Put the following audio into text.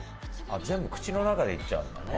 全部口の中でいっちゃうんだね。